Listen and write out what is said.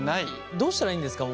どうしたらいいんですか？